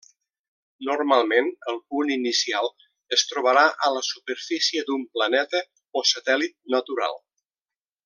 Normalment el punt inicial es trobarà a la superfície d'un planeta o satèl·lit natural.